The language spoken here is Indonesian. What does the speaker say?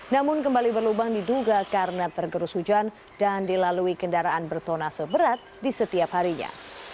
namun kembali berlubang diduga karena tergerus hujan dan dilalui kendaraan bertona seberat di setiap harinya